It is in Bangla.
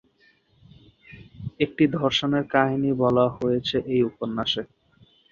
একটি ধর্ষণের কাহিনী বলা হয়েছে এ-উপন্যাসে।